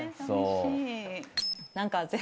何か。